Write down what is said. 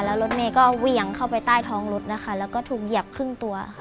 แล้วรถเมย์ก็เหวี่ยงเข้าไปใต้ท้องรถนะคะแล้วก็ถูกเหยียบครึ่งตัวค่ะ